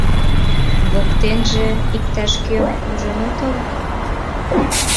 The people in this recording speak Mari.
— Воктенже иктаж-кӧм ужын отыл?